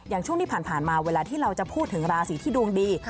ช่วงที่ผ่านมาเวลาที่เราจะพูดถึงราศีที่ดวงดี